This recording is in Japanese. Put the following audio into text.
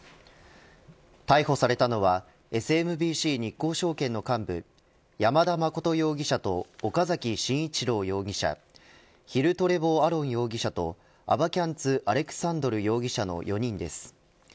逮捕されたのはＳＭＢＣ日興証券の幹部山田誠容疑者と岡崎真一郎容疑者ヒル・トレボー・アロン容疑者とアバキャンツ・アレクサンドル容疑者の４人です。